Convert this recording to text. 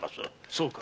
そうか。